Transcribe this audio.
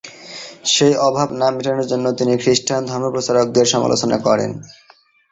সেই অভাব না মেটানোর জন্য তিনি খ্রিস্টান ধর্মপ্রচারকদের সমালোচনা করেন।